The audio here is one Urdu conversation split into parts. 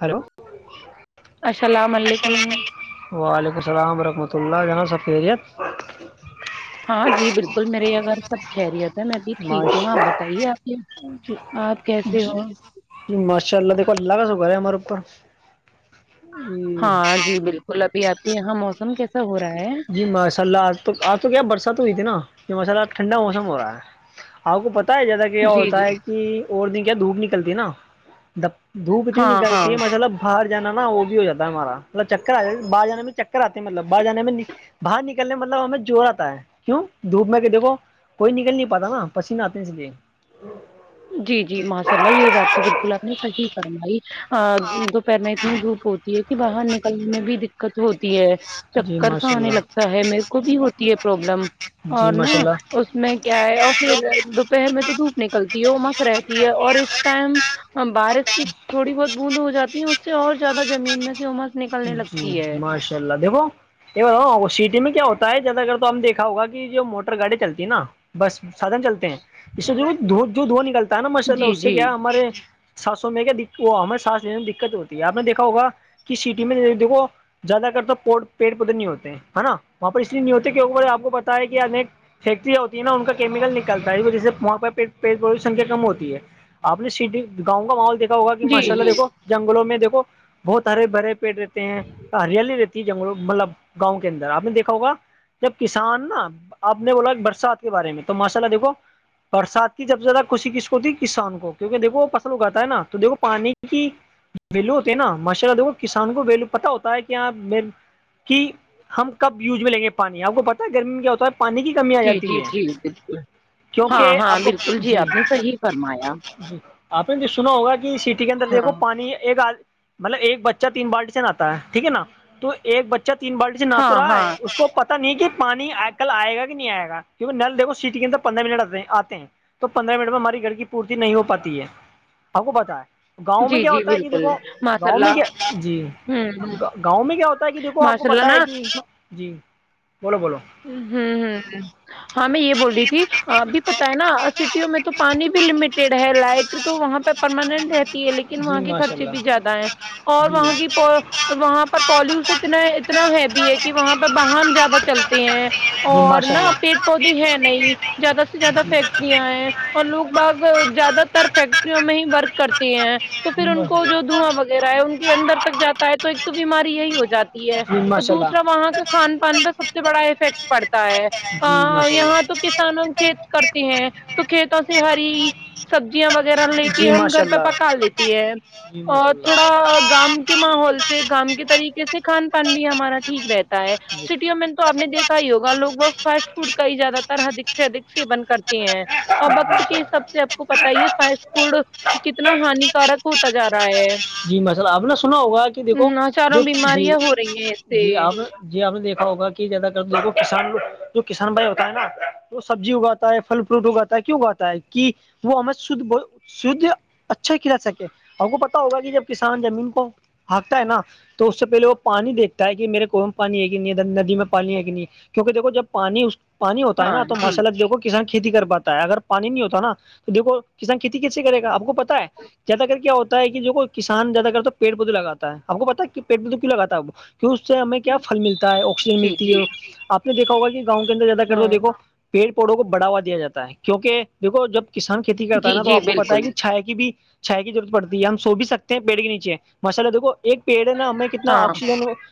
ہلو السلام علیکم وعلیکم السلام ورحمۃ اللہ جناب سفیریت ہاں جی بالکل میرے یہ گھر سب کہہ رہیا تھا میں بھی ٹھیک ماش ہوں آپ بتائیے آپ یہ آپ کیسے ہو جی ماشاء اللہ دیکھو اللہ کا سو گھر ہے ہمارے اوپر جی ہاں جی بالکل ابھی آپتی یہاں موسم کیسا ہوا جی مسالہ تو آج تو کیا برسات ہوئی تھی نا یہ مسالہ ٹھنڈا موسم ہو رہا ہے آپ کو پتا ہے جیادا کہ کیا جی ہوتا جی ہے کہ اور دن کیا دھوپ نکلتی ہے نا دھوپ اتنی ہاں ہاں نکلتی ہے مطلب باہر جانا نا وہ بھی ہو جات ہے ہمارا مطب چکر ج باہر جانے میں چکر آتا مطلب باہر جانے میں باہر نکلنے مطلب ہمیں جوور آتا ہے کیوں دھوپ میں کہ دیکھو کوئی نکل نہیں پاتا نا پسیینہ آتے ہیں اس لیے جی جی ماشاء اللہ یہ بات تو بالکل آپ نے صحی فمائی دوپہر میں اتنی دھوپ ہوتی ہے کہ باہر نکلنے میں بھی دقت ہوتی ہے جی چکر سا ماشاء آنے اللہ لگتا ہے میرے کو بھی ہوتی ہے پرابلم جی اور نا ماشاء اللہ اس اس میں کیا ہے اور پھر دوپہر میں تو دھوپ نکلتی ہے رہتی ہے اور اس ٹائم بارش کی تھوڑی بہت بوند ہو جاتی ہے اس سے اور زیادہ زمین میں سے امس نکلنے لگتی ہے ااء اللہ دھو ا سٹی میں کیا ہوتا ہے جیادہ اگر تو ہم دیکھا ہوگا کہ جو موٹر گاڑی چلتی ہے نا بس سادن چلتے ہیں اس سے جو د جو دھو نکلتا ہے نا ماشاء اللہ جی اس سے جی کیا ہمارے ساتس سو میں کیا ہمیں ساتس لینے میں دقت ہوتی ہے آپ نے دیکا ہوگ کہ سٹی میں دیکو زیادہ کر تو پیڑ پودے نہیں ہوتے ہیں نا وہاں پ پر اس لیے نہیں ہوتے کی آپ کو بتا ہے کہ فیکٹریاں ہوتی ہیں نا ان کا کیمکل نکلتا ہے جس سے وہاں پ سنکھیا کم ہوتی ہے آپ نے سٹی گاؤں کا محول د ہوگا کہ جی ماشاء اللہ جی دیکو جنگلوں میں دھو بہت ہرے بھرے پیٹ رہتے ہیں ہریالی رہتے جنگ مطلب گاؤں کے اندر آپ نے دیکھا ہوگا جب کسان نا آپ نے بولا برسات کے بارے میں تو ماشاء اللہ دیکھو برسات کی جب سے زیادہ خوشی کس کو تھی کسان کو کیونکہ دیکو فصل اگاتا ہے نا تو دیکھو پانی کی ویلو ہوتے ہے نا ماشاء اللہ دیکھو کسان کو ویلو پت ہوتا ہے کہ یہاں م کہ ہم کب یوز میں لیں گے پانی آپ کو پتا ہے گرمی میں کیا ہوتا ہے پانی کی کمی آ جی جاتی جی ہے جی بالکل ہاں کیوںکہ ہاں آپ کو بالکل جی آپ نے صحیح فرمایا جی آپ نے سنا ہوگا کہ سٹی کے اندر دیکھو ہاں پانی ایک مطلب ایک بچ تین بالٹی سے نہا ہے ٹھیک ہے نا تو ایک بچہ تین بالٹی سے نہ تو ہاں رہا ہاں ہے اس کو پ نہیں کہ پانی کل آئے گا کہ نہیں آئےا کیونکہ نل دیکو سٹی کے اندر پندرہ منٹ آتے آتے ہیں تو پندرہ منٹ میں ہماری گھر کی پورتی نہیں ہو پاتی ہے آپ کو پت ہے گاؤں جی میں کیا جی ہوتا ہے کہ بالکل دیکھو ماشاء گاؤں میں اللہ کیا جی ہوں ہوں گاؤں میں کیا ہوتا ہے کہ دیکھو آپ کو ماشاء اللہ پتا نا ہے کہ جی بولو بولو ہوں ہ ہاں میں یہ بول رہی تھی اب بھی پت ہے نا سٹیوں میں تو پانی بھی لمیٹیڈ ہے لائٹ تو وہاں پہ پرماننٹ رہتی ہے لیکن وہاں کے خرچے بھی زیادہ ہیں اور وہاں کی وہاں پر پالوشن اتنا اتنا ہیوی ہے کہ وہاں پہ باہن زیادہ چلتا اور نہا پیڑ پودے ہے نہیں زیادہ سے زیادہ فیکٹریاں ہیں اور لوگ باغ زیادہ تر فیک میں ہی ورک کرتی ہیں تو پھر ان کو جو دھواں وغیرہ ہے ان کے اندر تک جاتا تو ایک تو بیماری یہی ہو جاتی ہے جی اور ماشاء اللہ دوسرا وہاں کا کھان پان پہ سب سے بڑا افیکٹ پڑتا ہے جی ا ماشاء اللہ یہاں تو کسانوں کھیت کرتے ہیں تو کھیتوں سے ہری سبزیاں وغیرہ لے جی کے ہم ماشاء گھر پہ اللہ پکا لیتی ہے جی ماشاء اور اللہ تھوڑا گام کے ماحول سے گام کے طریقے سے کھان پان بھی ہمارا ٹھیک رہتا ہے سٹیوں میں تو آپ نے دیکا ہی ہوگ لوگ بت فاسٹ فوڈ کا ہی زیادہ تر ادک سے ادک سین کرتے اور وقت جی کے حساب سے آپ کو پت ہی ہے فاسٹ فوڈ کتنا ہان کارک ہوتا جا رہا ہے جی مسل آپ نے سنا ہوگا کہ دیکھو ہزاروں جو جی بیماریاں ہو رہی ہیں اس سے جی آپ جی آپ نے دیکھا ہوگا کہ زیادہ ت دیکو کسان جو کسان بھائی ہوتا ہے نا وہ سبزی اگاتا ہے پھل وٹو کہتا ہے کیوں کہتا ہے کہ وہ ہمیں شھ ب شھ اچھا کھلا سکے ہم کو پتا ہوگا کہ جب کسان زمین کو ہھکتا ہے نا تو اس سے پہلے وہ پانی دیکھتا ہے کہ میرے کونو میں پانی ہے کہ نہیں ندی میں پانی ہے کہ نہیں کیک دیکھو جب پانی پانی ہوتا ہے نا ہاں تو جی مسلب دیکھو کسان کھیتی کر پاتا ہے اگر پانی نہیں ہوتا نا تو دیکھو کسان کھیتی کیسے کرے گا آپ کو پت ہے اگر کیا ہوتا ہے کہ جو کوئی کسان زیادہ کرتا ہے پیٹ کو تو لگاتا ہے, اپ کو پتہ ہے پیٹ میں تو کیوں لگاتا ہے اپ کو- کہ اس سے ہمیں کیا پل ملتا ہے آکسیجن جی ملتی جی ہے آپ نے دیکھا ہوگا کہ گاؤں کے اندر زیادہ کر دو ہاں دیکو- پیڑ پڑوں کو بڑھوا دیا جاتا ہے کیونکہ دیکھو جب کسان کے- کھیتی کرتا جی ہے نا تو جی آپ کو پتا ہے بالکل کہ چھائے کی بھی- چائے کی ضرورت پڑتی ہے ہم سو بھی سکتے ہیں میڈی کے نیچے ماشاءاللہ دیکھو ایک پیڑے نا ہمیں کتنا- ہاں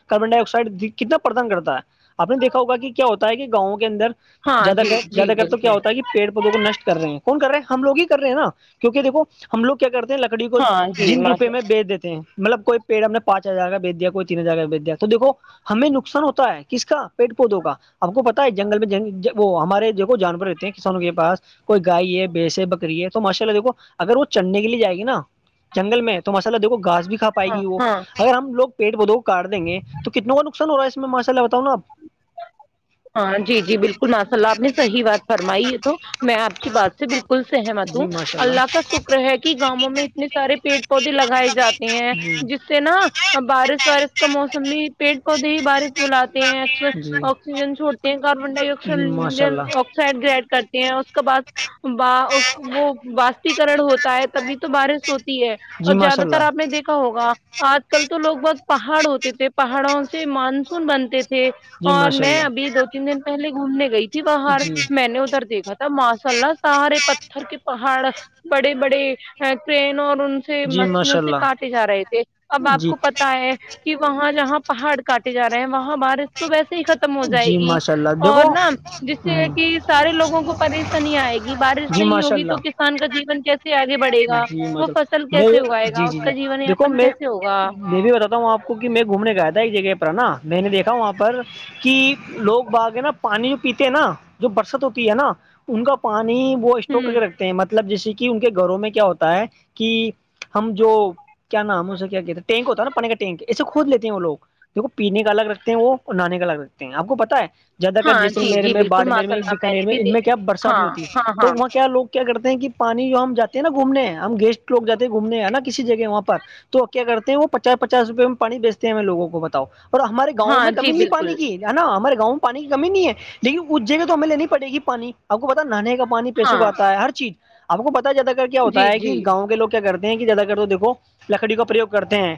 کاربن ڈائی آکسائڈ کتنا پردان کرتا ہے آپ نے دیکھا ہوگ کہ کیا ہوتا ہے کہ گاؤں کے اندر ہاں جی جی بالکل [unintelligible] کہ پیڑ پودوں کو نشٹ کر رہے ہیں کون کر رہ ہیں ہم لوگ ہی کر رہے ہیں نا کیونکہ دیکو ہم لگ کیا کرتے ہیں لگ ڑی کو ہاں جی جن روپے ماشا میں بیچ دیتے ہیں مطلب کوئی پیڑ ہم نے پانچ ہزار کا بھی دیا کوئی تین ہزار بھیج دیا تو دیکو ہمیں نقصان ہوتا ہے، کس کا پیڑ پودوں کا- ہم کو پت ہے جنگل میں وہ ہمارے ج جانور? کسانوں کے پاس کوئی گائے ہے بیس بکری ہے تو ماشاء اللہ دیکو اگر وہ چڑھنے کے لیے جائے گی نا- جنگل میں تو ماشاءاللہ دیکھو گاز بھی کھا پائے ہاں گی وہ ہاں اگر ہم لوگ- کاٹ دیں گے تو کتنےوں کا نقصان ہو رہا ہے اس میں ماشاء اللہ بتاؤں نا آپ- ہاں جی- جی بالکل ماسا اللہ، آپ نے صحی بات- فرمائیے تو میں آپ کی بات سے بالکل سہمت ہوں- اللہ کا شکر ہے کہ گاؤں میں اتنے سارے پیڑ پودے لگائے جاتے ہیں- جس سے نا اس بارش وارش کا موسم بھی پیڑ پودے ہی بارش بلاتے ہیں اکثر- آکسیجن چھوٹتے ہیں کاربن ڈائیکس سڈ گڈ کرتے ہیں اس کے بعد وہ- ہوتا ہے تبھی تو بارش ہوتی ہے اور زیادہ تر اپ نے دیکھا ہوگا - آج کل تو لوگ بہت پہاڑ ہوتے تھے پہاڑوں سے مانسون بنتے تھے- جی اور ماشاء میں اللہ ابھی دو تین دن پہلے گھومنے گئی تھی باہر جی میں نے ادھر دیکھا تھا- ماشاء اللہ سارے پتھر کے پہاڑ بڑے- بڑے کرن اور ان- سے جی مشینوں ماشاء سے کاٹے جا رہے تھے اب اللہ آپ جی کو پتا ہے- کہ وہاں جہاں پہاڑ کاٹے جا رہے ہیں وہاں بارش تو ویسے ہی ختم ہو جائے جی گی- ماشاء اللہ اور دیکھو نا جس سے ہ کہ سارے لوگوں کو پریشانی آئے گی بارش نہیں ہوگی تو کیا- پاکستان- جیب میں اگائے گا جی جی اس کا جی جیون دیکھو یاپن میں کیسے ہوگا میں بھی بتاتا ہوں آپ- کیونکہ میں گھومنے گ آیا تھا ایک جگہ پر نا میں نے دھا وہاں پر- کہ لوگ باگ ہے نا پانی جو پیتے ہیں نا جو برست ہوتی ہے نا ان کا پانی وہ اسٹ کر ہوں کے رکھتے ہیں مطلب جیسے کہ ان کے گھروں میں کیا ہوتا ہے کہ ہم جو- کیا نام اسے کیا کہتا ٹینک ہوتا نا پانی کاٹینک ایے کھود لیتے ہیں وہ لوگ- جو کو پینے کا الگ رکھتے ہیں وہ نہانے کا الگ رکھتے ہیں آپ کو پتا ہے- زیادہر ہاں جی جیسلمیر جی میں بالکل باڑمیر ماشاء میں اللہ بیکانیر نے میں بھی ان دے میں کیا برسات ہاں نہیں ہوتی ہے ہاں تو ہاں وہاں کیا لوگ- کیا کرتے ہیں کہ پانی جو ہم جاتے ہیں نا گھومنے ہم گیسٹ لوگاتے ہیں گھومنے ہیں ہے نا کسی جگہ وہاں پر- تو کیا کرتے ہیں وہ پچاس پچاس روپئے میں پانی بیچتے ہیں ہمیں لگوں کو بتاؤ- اور ہمارے گاؤں ہاں میں جی کمی ت بالکل پانی کی- نا ہمارے گاؤں میں پانی کی کمی نہیں ہے لیکن اسھ جگہ تو ہمیں لینی پڑے گی پانی- آ کو پتا نہانے کا پانی ہاں پیسوں کا آتا ہے, ہر چیز آ کو پتا جیاد کر کیا ہوتا جی ہے کہ جی گاؤں کے لگ- کرتے ہیں کہ زیادہ تر تو دیکو لکڑی کا پرریوگ کرتے ہیں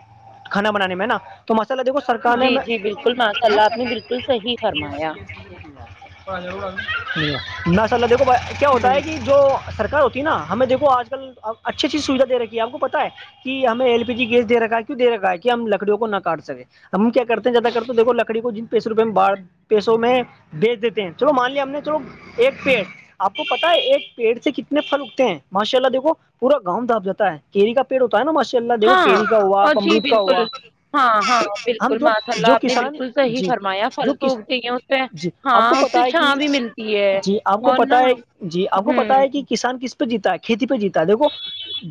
کانا بنانے میں نا تو مسالا دیکو- کھانے جی میں- جی بالکل ماشاء اللہ آپ نے بالکل صحیح فرمایا ناسء اللہ دیکھو کیا ہوتا ہوں ہے کہ جو سرار ہوتی ہے نا ہمیں دیکھو- اج کل اچھی- اچھی صورت دے رکھی ہے اپ کو پتہ ہے- کہ ہمیں ایل پی جی گیس دے رکھا ہے کیوں دے رکھا ہے کہ ہم لکڑیوں کو نہ کاٹ سکے- ہم کیا کرتے ہیں زیادہ کر تویکو لکڑی کو جن پیسے روپئے میں بڑھ- پیسوں میں بیج دیتے ہیں چلو مان لیا ہم نے چلو- ایک پیڑ آپ کو پتا ہے ایک پیڑ سے کتنے پھل اگتے ہیں ماشاء اللہ دیکھ پورا گاؤں داپ جا ہے کیری کا پیڑ ہوتا ہے نا ماشاء اللہ دیکھو ہاں کیری کا ہوا اور جی امرود کا بالکل ہوا ہاں ہاں ہم بالکل جو ماشاء اللہ جو آپ نے کسان بالکل صحیح جی فرمایا جو پھل تو کس اگتے ہیں اس پہ جی آپ کو ہاں اس پتا سے ہے کہ چھاں بھی ملتی ہے جی آپ کو اور نا پتا ہے جی آپ کو پتا ہوں ہے کہ کسان کس جیتا ہے کھیتی پہ جیتا ہے دیکو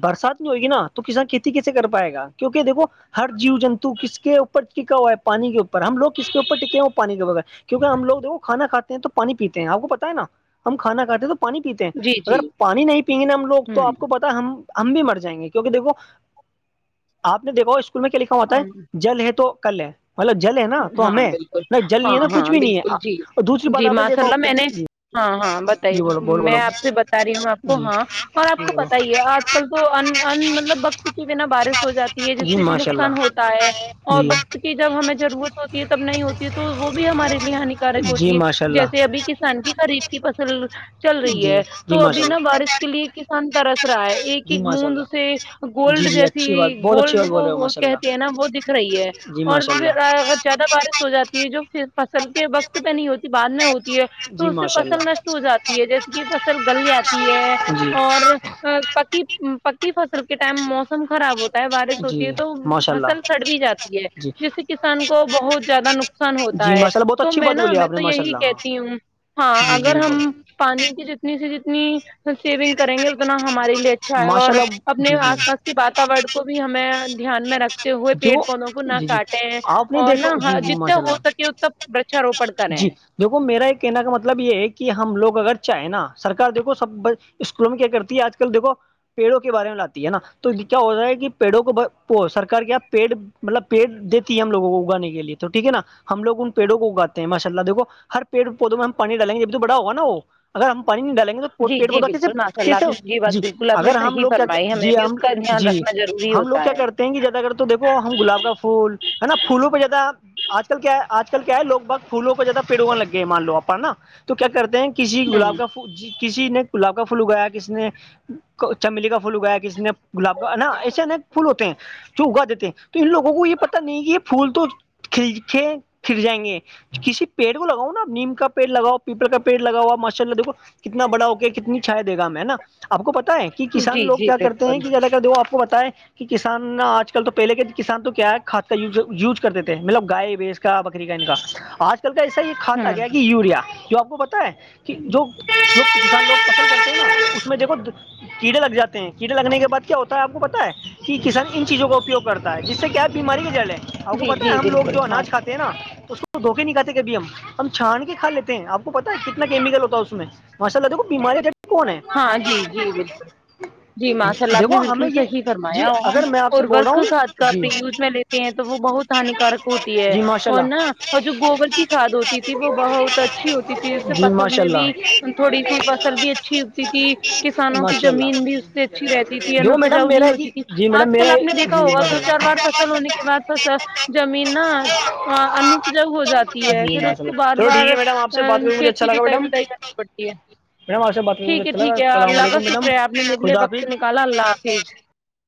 برسات نہیں ہوئےگی نا تو کسان کھیتی کیسے کر پائے گا کیونکہ دیکھو ہر جیو جنتو کس کے اوپر ٹکا ہوا ہے پانی کے اوپر ہم لوگ کس اوپر ٹکے وہ پانی کے بغیر کیونک ہم لو جو وہ کھانا کاتے- تو پانی پیتے ہیں آپ کو پتا ہے, نا ہم کھانا کھاتے ہیں تو پانی پیتے ہیں جی جی اگر پانی نہیںی- ہم لوگ تو ہوں آپ کو پتا ہم ہم بھی مر جائیں گے کیونکہ دیکھو آپ نے دیکھو اس کو- میں کیا لکھا ہوتا ہاں ہے جل ہے تو کل ہے- مطلب جل ہے, نا تو ہاں ہمیں بالکل نہیں جل نہیں ہاں ہے نا کچھ ہاں بھی نہیں بالکل جی ہے دوسری بات جی آپ نے ماشاء دیکھا اللہ ہو میں نے ج- جی بولو بول بولو ساری ہوں آپ ہاں اور آپ کو پت ہی ہے آج کل تو مطلب وقت کے بنا بارش ہو جاتی ہے جس جی سے ب ماشاء نقصان اللہ ہوتا ہے اور جی وقت کی جب ہمیں ضرورت تی تب نہیں ہوتی ہے تو وہ بھی ہمارے لیے ہانیکارک جی ہوتی ہے ماشاء اللہ جیسے ابھی کسان کی خریف کی فصل چل رہی جی ہے جی تو ابھی ماشاء نا اللہ بارش کے لیے کسان ترس رہا ہے ایک جی ایک ماشاء مونند اللہ اسے جی گولڈ جی جیسی اچھی بات بہت اچھی گولڈ بات بول رہے ہو وہ ماشاء کہتے ہیں نا وہ دکھ رہی ہے اللہ جی اور ماشاء اللہ پھر اگر زیادہ بارش ہو جاتی ہے جو پھر فصل کے وقت پہ نہیں ہوتی بعد میں ہوتی جی تو اس سے ماشاء اللہ فصل نشٹ ہو جاتی ہے جیسے کہ فصل گل جاتی ہے جی اور پکی پکی فصل کے ٹائم موسم خراب ہوتا ہے بارش ہوتی ہے جی تو ماشاء اللہ فصل سڑ بھی جاتی ہے جی جس سے کسان کو بہت زیادہ نقصان ہوتا جی ہے ماشاء اللہ بہت تو اچھی میں بات نا بولی میں آپ تو نے ماشاء یہی اللہ ہاں کہتی ہوں ہاں جی اگر جی بول ہم پانی کی جتنی سےی جتنی سیونگ کریں گے اتنا ہمارے لیے اچھا ہے اور ماشاء اللہ اپنے جی جی آس پاس کے واتور کو بھی ہمیں دھیان میں رکھتے ہوئے جی پیڑ وہ پودوں کو نہ جی جی کاٹے آپ نے اور نہ دیکھا جی جی جتنا ماشاء ہو اللہ سکے انا ورچاروپن کریں جی دیکھو میرا ایک کہنے کا مطلب یہ ہے کہ ہم لگ اگر چاہیں نا سرک دیکو سب اسکولوں میں کیا کرتی ہے آج کل دیکھو پیڑوں کے بارے میں لاتی ہے نا تو کیا ہوتا ہے کہ پیڑوں کو سرک کیا پیڑ مطلب پیڑ دیتی ہے ہم لوگوں کو اگانے کے لیے تو ٹھیک ہے نا ہم لوگ ان پیڑوں کو اگاتے ہیں ماشاء اللہ دیکو ہر پیڑ پودوں میں ہم پانی ڈالیں گے یہ بھی تو بڑا ہوگا اگر ہم پانی نہیں ڈیں گے جی پیٹ جی پودا کیس بالکل ماشاء اللہ کیسے آپ ہو نے یہ بات جی بالکل آپ اگر ہم لوگ کیا کیا جی ہم جی روری ہوتا وگ کیا ہے کرتے ہیں کہ زیادہ اگر تو دیکھو ہم گلاب کا پھول ہے نا پھولوں پہ زیادہ آج کل کیا آج کل کیا ہے لو بھگ پھولوں کو زیادہ پیڑ ہواں لگ گئے مان لو آ اپ نا تو کیا کرتے ہیں کسی گلاب کا ہوں ج کسی نے گلاب کا پھول اگایا کسی نے چمیلی کا پھول اگایا کسی نے گلاب کا ہےا ایسے انک پھول ہوتے ہیں جو اگا دیتے ہیں تو ان لوگوں کو یہ پتا نہیں کہ یہ پھول تو کل کے پھر جائیں گے کسی پیڑ کو لگاؤ نا آپ نیم کا پیڑ لگاؤ پیپل کا پیڑ لگاؤا ماشاء اللہ دیکو کتنا بڑا ہو کے کتنی چھائے دے گا ہم ہے نا آپ کو پتا ہے کہ کسان جی لوگ جی کیا کرتے ہیں بالکل کہ الگ دو آپ کو بتائیں کہ کسان آج کل تو پہلے کے کسان تو کیا ہے کھاد کا یوز کرتے تھے مطلب گائے بیس بکری کا نکا آج کل کا ایسا یہ کھاتا گیا ہوں کہ یوریا جو آپ کو پتا ہے کہ جو جو کسان لوگ فصل کرتے ہیں نا اس میں دیکھو کیڑے لگ جات ہیں کیڑے لگنے کے بع کیا ہوتا ہے آپ کو پتا ہے کہ کسان ان چیزوں کا اپپیگ کرتا ہے جس سے کیا بیماری کے جلیں آپ کو جی پتا ہے جی ہم لوگ بالکل جو اناج کاتے نا اس کو دھوکے نکاتتے کبھی ہم ہم چھان کے کھ لیتے ہیں آپ کو پتا ہے کتنا کیمیکل ہوتا ہے اس میں ماشاء اللہ دیکھ ب بیماریاں ہاں جی جی بالکل جی ماشاء اللہ آپ نے دیکھو ہمیں بالکل یہ صحیح جی فرمایا ہم اگر میں آپ سے بول رہا اورورق ہوں کھاد کا جی اپنے یوز میں ہیں تو وہ بہت ہانیکارک ہوتی ہے جی ماشاء اور اللہ نا اور جو گوبر کی کھاد ہوتی وہ بہت اچھی ہوتی تھی اس سے جی فصل ماشاء میں اللہ بھی تھوڑی سی فصل بھی اچھی تھی کسانوں کی ماشاء اللہ زمین بھی اس سے اچھی رہتی تھی دیکھو میڈم انپجاؤ میرا نہیں ہے کہ ہوتی تھی جی میڈم آج میرا کل آپ نے ہے دیکھا جی ہوگا ماشاء تو چار اللہ بار فصل ہونے کے بعد زمین نا انپجگ ہو جاتی ہے جی پھر اس ماشاء کو اللہ بار چلو ٹھیک بار ہے میڈم آپ سے ا بات کر کے کھیتی جتائی بتائی کرنی پڑتی ہے مے وہا سے ب ٹھیک ہے ٹھیک ہے اللہ کا شکر ہے آپ نے میرلے وقت نکالا اللہ حافظ